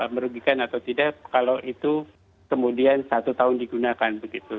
merugikan atau tidak kalau itu kemudian satu tahun digunakan begitu